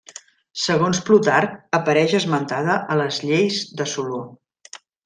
Segons Plutarc apareix esmentada a les lleis de Soló.